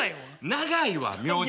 長いわ名字。